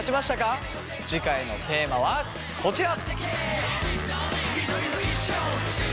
次回のテーマはこちら！